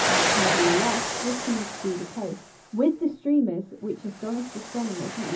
Nevertheless this seems to be the case with the streamers which astonished astronomers in 1878.